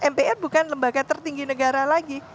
mpr bukan lembaga tertinggi negara lagi